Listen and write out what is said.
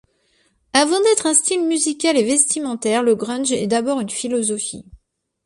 Avant d'être un style musical et vestimentaire, le grunge est d'abord une philosophie.